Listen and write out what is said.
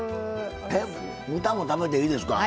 えっ豚も食べていいですか？